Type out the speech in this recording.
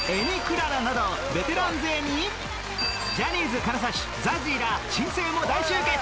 くららなどベテラン勢にジャニーズ金指 ＺＡＺＹ ら新星も大集結！